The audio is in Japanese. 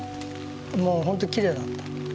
もうほんときれいだった。